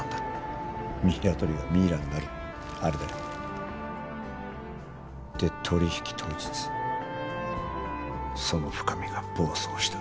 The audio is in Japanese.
ミイラ取りがミイラになるってあれだよ。で取引当日その深海が暴走した。